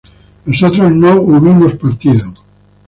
nosotros no hubimos partido